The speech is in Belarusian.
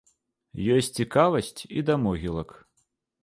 Ёсць цікавасць і да могілак.